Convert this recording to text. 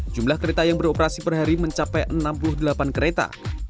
jumlah kereta yang beroperasi per hari mencapai enam puluh delapan kereta